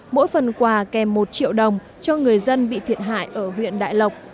mỗi phần quà kèm một triệu đồng cho người dân bị thiệt hại ở huyện đại lộc